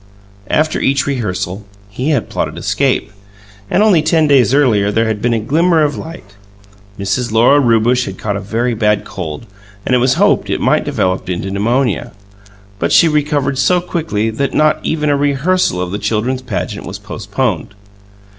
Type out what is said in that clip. After each rehearsal he had plotted escape, and only ten days earlier there had been a glimmer of light: Mrs. Lora Rewbush caught a very bad cold, and it was hoped it might develop into pneumonia; but she recovered so quickly that not even a rehearsal of the Children's Pageant was postponed.